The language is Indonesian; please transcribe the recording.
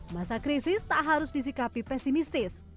masa krisis tak harus disikapi pesimistis